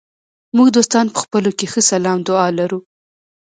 موږ دوستان په خپلو کې ښه سلام دعا لرو.